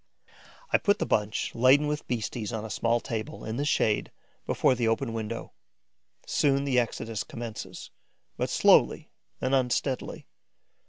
I put the bunch laden with beasties on a small table, in the shade, before the open window. Soon, the exodus commences, but slowly and unsteadily.